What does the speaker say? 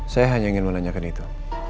saya hanya ingin menanyakan itu